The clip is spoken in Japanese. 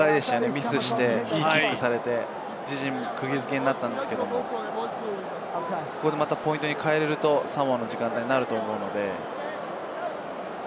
ミスをして、いいキックをされて、自陣に釘付けになったんですけれど、ポイントに変えられるとサモアの流れになると思うので。